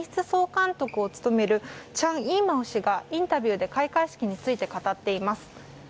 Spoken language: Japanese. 総監督を務めるチャン・イーモウ氏がインタビューで開会式について語っています。